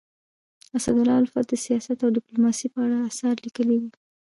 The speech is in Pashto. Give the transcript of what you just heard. اسدالله الفت د سیاست او ډيپلوماسی په اړه اثار لیکلي دي.